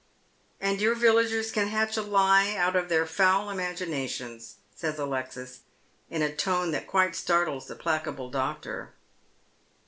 "And your villagers can hatch a lie out of their foul imaginations," says Alexis, in a tone that quite startles the placable doctor.